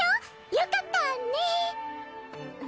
よかったねっ！